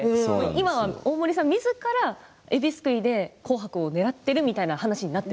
今は大森さん、みずからえびすくいで「紅白」を狙っているみたいな話になって。